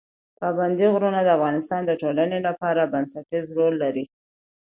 پابندي غرونه د افغانستان د ټولنې لپاره بنسټیز رول لري.